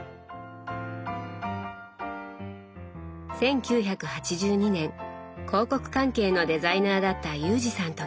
１９８２年広告関係のデザイナーだった裕二さんと結婚。